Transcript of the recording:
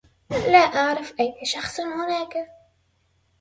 لا أعرف أي شخص هناك.